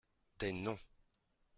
Des noms